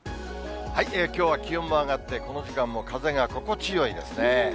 きょうは気温も上がって、この時間も風が心地よいですね。